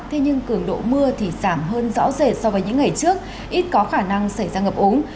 thế nhưng cường độ mưa thì giảm hơn rõ rệt so với những ngày trước ít có khả năng xảy ra ngập ống